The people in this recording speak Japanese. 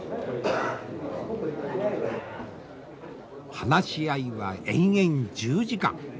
話し合いは延々１０時間。